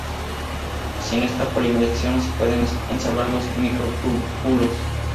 Sin esta polimerización no se pueden ensamblar los microtúbulos.